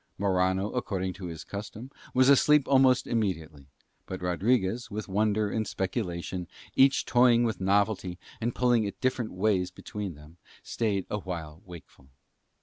Morano, according to his custom, was asleep almost immediately; but Rodriguez, with wonder and speculation each toying with novelty and pulling it different ways between them, stayed awhile wakeful.